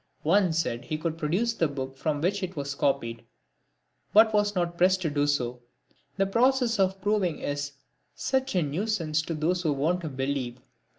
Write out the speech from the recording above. One said he could produce the book from which it was copied, but was not pressed to do so; the process of proving is such a nuisance to those who want to believe.